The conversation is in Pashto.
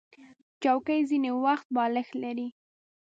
چوکۍ ځینې وخت بالښت لري.